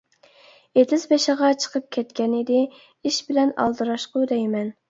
-ئېتىز بېشىغا چىقىپ كەتكەن ئىدى، ئىش بىلەن ئالدىراشقۇ دەيمەن.